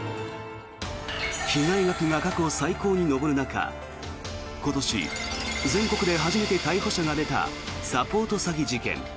被害額が過去最高に上る中今年、全国で初めて逮捕者が出たサポート詐欺事件。